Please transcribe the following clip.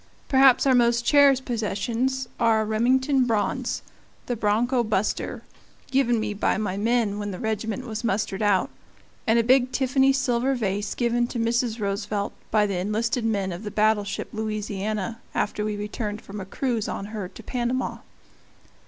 Perhaps our most cherished possessions are a Remington bronze, "The Bronco Buster," given me by my men when the regiment was mustered out, and a big Tiffany silver vase given to Mrs. Roosevelt by the enlisted men of the battleship Louisiana after we returned from a cruise on her to Panama.